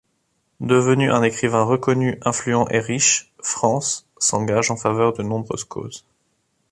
Devenu un écrivain reconnu, influent et riche, France s’engage en faveur de nombreuses causes.